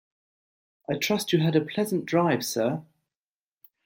I trust you had a pleasant drive, sir.